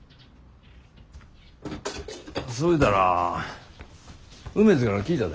そういうたら梅津から聞いたで。